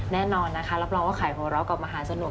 แน่นอนนะคะรับรองว่าขายหัวเราะกับมหาสนุก